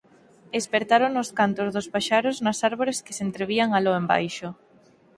Espertárono os cantos dos paxaros nas árbores que se entrevían aló embaixo.